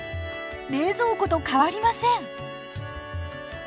冷蔵庫と変わりません。